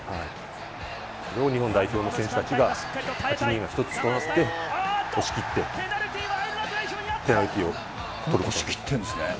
それを日本代表の選手たちが、８人が一つとなって、押しきってペナルティーを取ることができた。